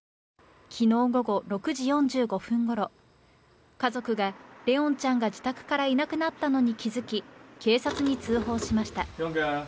昨日午後６時４５分ごろ家族が怜音ちゃんが自宅からいなくなったのに気づき、警察に通報しました。